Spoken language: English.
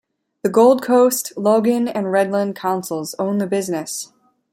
The Gold Coast, Logan and Redland councils own the business.